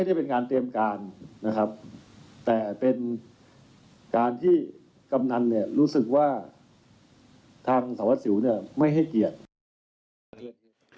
ทางสาระอัดสิวเนี่ยไม่ให้เกียรติ